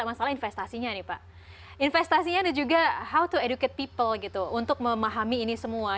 jadi masalah investasinya nih pak investasinya ada juga how to educate people gitu untuk memahami ini semua